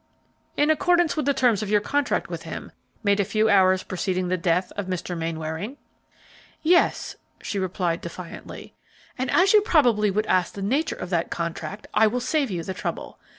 "In accordance with the terms of your contract with him, made a few hours preceding the death of Mr. Mainwaring?" "Yes," she replied, defiantly. "And as you probably would ask the nature of that contract, I will save you the trouble.